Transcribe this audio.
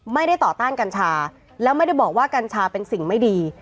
ไม่ได้ต่อต้านกัญชาแล้วไม่ได้บอกว่ากัญชาเป็นสิ่งไม่ดี